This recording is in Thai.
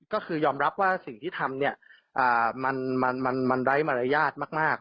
ก็คือยอมรับว่าสิ่งที่ทำเนี่ยมันไร้มารยาทมาก